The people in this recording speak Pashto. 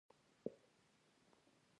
نه یې له ټولګي د باندې باسم.